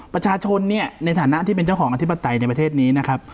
ประชาชนเนี่ยในฐานะที่เป็นเจ้าของอธิปไตยในประเทศนี้นะครับ